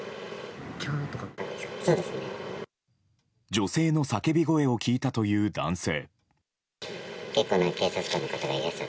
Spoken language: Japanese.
女性の叫び声を聞いたという男性。